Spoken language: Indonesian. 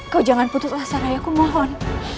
kau jangan putuslah sarai aku mohon